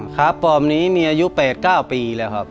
ขาปลอมนี้มีอายุ๘๙ปีแล้วครับ